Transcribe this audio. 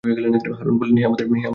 হারূন বললেন, হে আমার সহোদর!